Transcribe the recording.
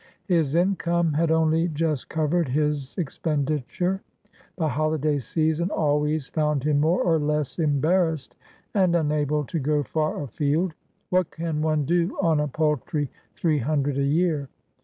His income had only just covered his expenditure; the holiday season always found him more or less embarrassed, and unable to go far afield. What can one do on a paltry three hundred a year?